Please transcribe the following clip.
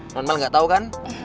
non male gak tau kan